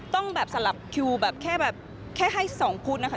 ต้องสลับคิวแบบแค่ให้สองพูดนะคะ